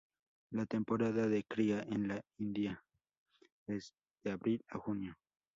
La temporada de cría en la India es de abril a junio.